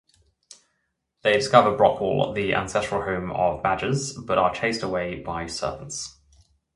They discover Brockhall, the ancestral home of badgers, but are chased away by serpents.